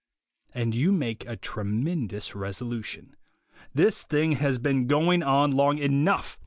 And you make a tremendous resolution. "This thing has been going on long enough.